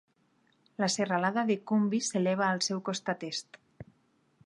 La serralada de Kumbi s'eleva al seu costat est.